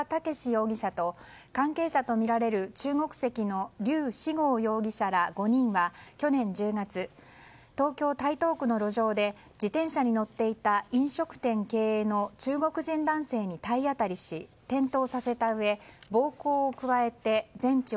容疑者と関係者とみられる中国籍のリュウ・シゴウ容疑者ら５人は去年１０月東京・台東区の路上で自転車に乗っていた飲食店経営の中国人男性に体当たりし転倒させたうえ暴行を加えて全治